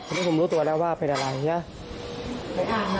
แล้วผมรู้ตัวแล้วว่าเป็นอะไรเพราะว่าหรือหรือ